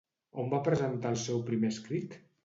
On va presentar el seu primer escrit?